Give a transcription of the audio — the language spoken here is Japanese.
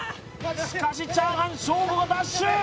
しかしチャーハンショーゴがダッシュ！